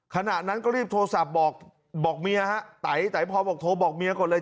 ขณะนั้นก็รีบโทรศัพท์บอกเมียฮะไตพอบอกโทรบอกเมียก่อนเลย